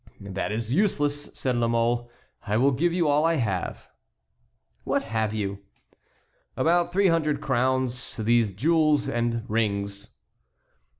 "That is useless," said La Mole. "I will give you all I have." "What have you?" "About three hundred crowns, these jewels, and rings."